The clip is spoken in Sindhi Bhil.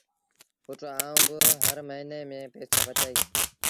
پُٽ آئوٚݩ با هر موهيݩي ميݩ پئيٚسآ بچآئيٚس۔